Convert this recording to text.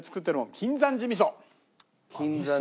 金山寺味噌。